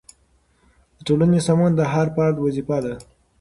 د ټولنې سمون د هر فرد وظیفه ده.